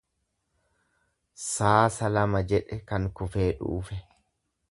Saasa lama jedhe kan kufee dhuufe.